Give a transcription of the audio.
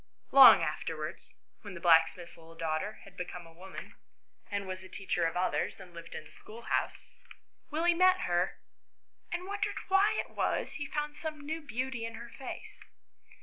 Long afterwards, when the blacksmith's little daughter had become a woman, and was a teacher of others, and lived in a schoolhouse, Willie met her and wondered why it was he found some new beauty in her face.